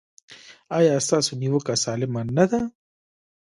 ایا ستاسو نیوکه سالمه نه ده؟